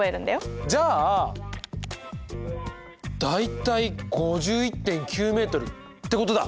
じゃあ大体５１．９ｍってことだ。